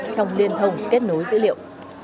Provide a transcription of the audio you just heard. trong liên thông kết nối dữ liệu